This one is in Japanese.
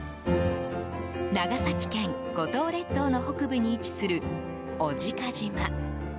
長崎県五島列島の北部に位置する小値賀島。